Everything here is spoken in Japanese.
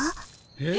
えっ？